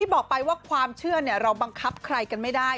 บอกไปว่าความเชื่อเราบังคับใครกันไม่ได้